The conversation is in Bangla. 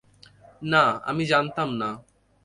না, আমি জানতাম না।